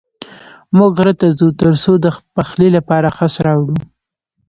موږ غره ته ځو تر څو د پخلي لپاره خس راوړو.